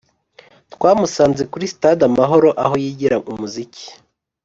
twamusanze kuri sitade amahoro aho yigira umuziki